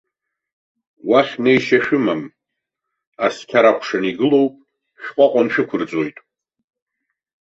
Уахь неишьа шәымам, асқьар акәшаны игылоуп, шәҟәаҟәан шәықәырҵоит!